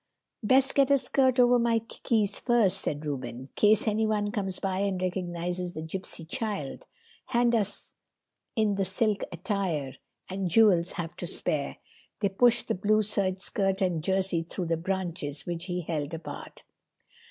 "Best get a skirt over my kicksies first," said Reuben, "case anyone comes by and recognizes the gypsy cheild. Hand us in the silk attire and jewels have to spare." They pushed the blue serge skirt and jersey through the branches, which he held apart.